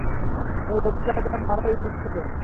এই অফিসারটার মরাই উচিত ছিলো!